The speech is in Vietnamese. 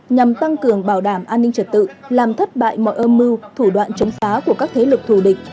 nhằm tăng cường bảo đảm an ninh trật tự làm thất bại mọi âm mưu thủ đoạn chống phá của các thế lực thù địch